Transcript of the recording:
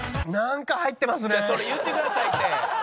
それ言うてくださいって！